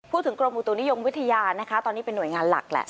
กรมอุตุนิยมวิทยานะคะตอนนี้เป็นหน่วยงานหลักแหละ